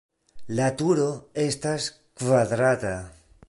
La turo estas kvadrata.